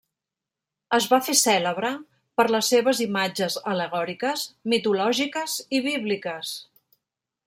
Es va fer cèlebre per les seves imatges al·legòriques, mitològiques i bíbliques.